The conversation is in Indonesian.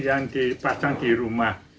yang dipasang di rumah